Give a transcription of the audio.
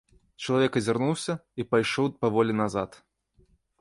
Чалавек азірнуўся і пайшоў паволі назад.